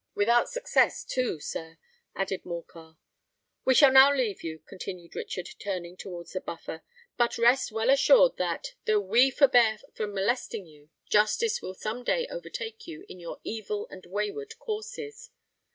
"Without success, too, sir," added Morcar. "We shall now leave you," continued Richard, turning towards the Buffer; "but rest well assured that, though we forbear from molesting you, justice will some day overtake you in your evil and wayward courses."